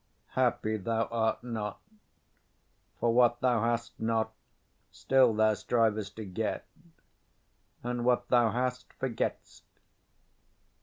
Happy thou art not; For what thou hast not, still thou strivest to get. And what thou hast, forget'st.